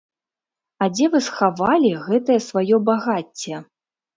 А дзе вы схавалі гэтае сваё багацце?